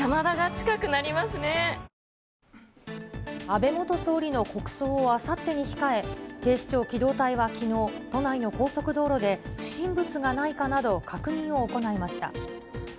安倍元総理の国葬をあさってに控え、警視庁機動隊はきのう、都内の高速道路で不審物がないかなど確認を行いました。